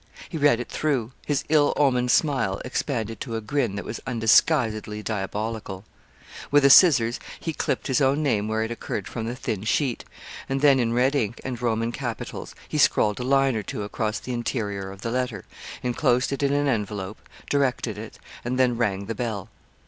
He read it through: his ill omened smile expanded to a grin that was undisguisedly diabolical. With a scissors he clipt his own name where it occurred from the thin sheet, and then, in red ink and Roman capitals, he scrawled a line or two across the interior of the letter, enclosed it in an envelope, directed it, and then rang the bell.